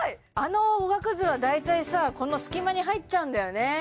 あのおがくずは大体さこの隙間に入っちゃうんだよね